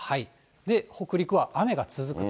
北陸は雨が続くと。